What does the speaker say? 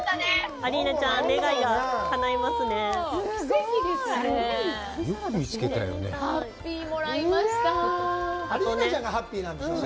アリーナちゃん、願いがかないますね。